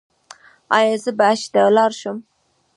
ایا زه به حج ته لاړ شم؟